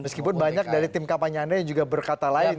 meskipun banyak dari tim kapannya anda yang juga berkata lain